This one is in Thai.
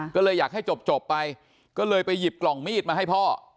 ก็เลยอยากให้จบไปก็เลยไปหยิบกล่องมีดมาให้พ่อ